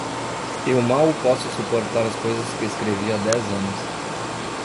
Eu mal posso suportar as coisas que escrevi há dez anos.